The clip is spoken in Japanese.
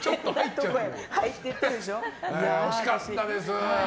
惜しかったです。